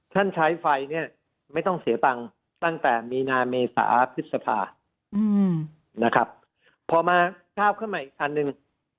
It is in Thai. ท่านใช้ไฟไม่ต้องเสียตังค์ตั้งแต่มีนาเมษาพฤษภาพอมาข้าวเข้ามาอีกอันหนึ่ง